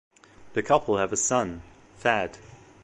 The couple have a son, Thad.